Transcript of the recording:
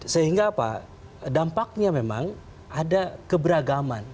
sehingga apa dampaknya memang ada keberagaman